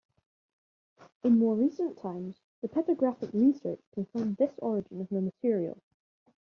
In more recent times, petrographic research confirmed this origin of the material.